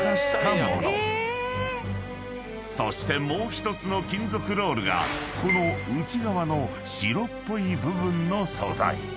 ［そしてもう１つの金属ロールがこの内側の白っぽい部分の素材］